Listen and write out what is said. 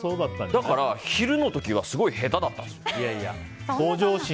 だから昼の時はすごい下手だったんです。